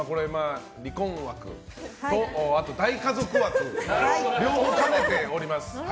離婚枠と、あと大家族枠両方兼ねております